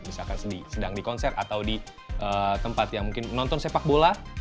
misalkan sedang di konser atau di tempat yang mungkin nonton sepak bola